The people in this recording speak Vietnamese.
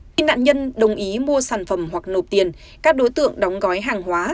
khi nạn nhân đồng ý mua sản phẩm hoặc nộp tiền các đối tượng đóng gói hàng hóa